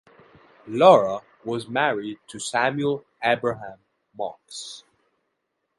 Lora was married to Samuel Abraham Marx.